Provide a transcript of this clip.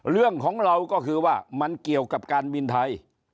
เรื่องของเราก็คือว่ามันเกี่ยวกับการบินไทย